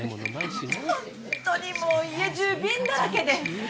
ホンットにもう家じゅう瓶だらけで。